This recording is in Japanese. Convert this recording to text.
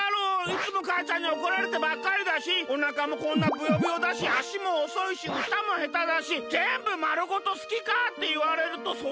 いつもかあちゃんにおこられてばっかりだしおなかもこんなブヨブヨだしあしもおそいしうたもへただしぜんぶまるごと好きかっていわれるとそうでもないかも。